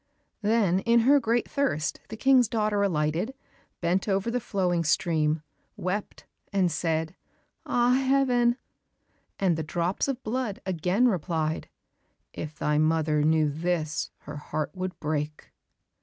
Then in her great thirst the King's daughter alighted, bent over the flowing stream, wept and said, "Ah, Heaven!" and the drops of blood again replied, "If thy mother knew this, her heart would break."